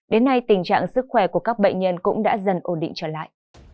đến nay tình trạng sức khỏe của các bệnh nhân cũng đã dần ổn định trở lại